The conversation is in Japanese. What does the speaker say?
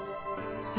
え？